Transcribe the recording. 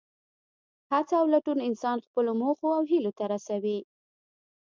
هڅه او لټون انسان خپلو موخو او هیلو ته رسوي.